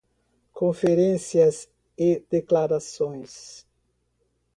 Conferências e declarações